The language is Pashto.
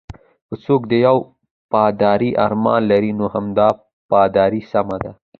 که څوک د یو پادري ارمان لري، نو همدا پادري سم دی.